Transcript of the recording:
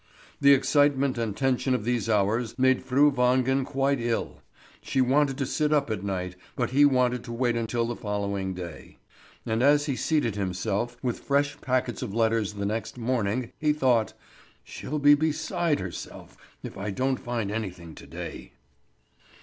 The excitement and tension of these hours made Fru Wangen quite ill. She wanted to sit up at night, but he wanted to wait until the following day; and as he seated himself with fresh packets of letters the next morning, he thought: "She'll be beside herself if I don't find anything to day."